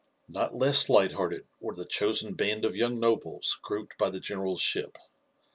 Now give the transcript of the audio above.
Not less light hearted were the chosen band of young nobles grouped by the general's ship.